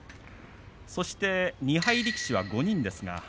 そして２敗力士は５人です。